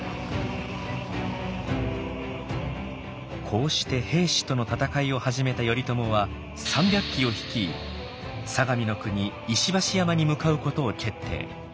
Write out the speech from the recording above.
こうして平氏との戦いを始めた頼朝は３００騎を率い相模国石橋山に向かうことを決定。